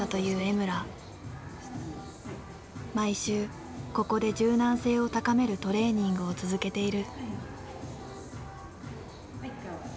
毎週ここで柔軟性を高めるトレーニングを続けている。